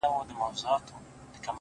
• زما کار نسته بُتکده کي؛ تر کعبې پوري،